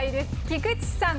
菊地さん。